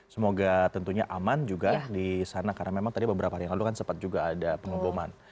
semoga tentunya aman juga di sana karena memang tadi beberapa hari yang lalu kan sempat juga ada pengeboman